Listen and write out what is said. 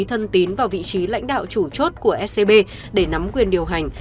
thân tín vào vị trí lãnh đạo chủ chốt của scb để nắm quyền điều hành